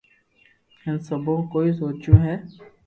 ھين سبو ڪوئي سوچو ھي